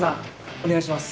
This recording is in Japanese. お願いします。